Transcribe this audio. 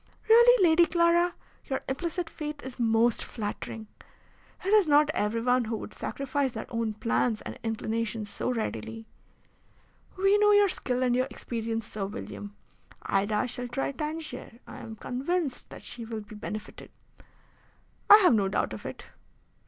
"Really, Lady Clara, your implicit faith is most flattering. It is not everyone who would sacrifice their own plans and inclinations so readily." "We know your skill and your experience, Sir William. Ida shall try Tangier. I am convinced that she will be benefited." "I have no doubt of it."